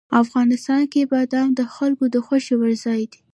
افغانستان کې بادام د خلکو د خوښې وړ ځای دی.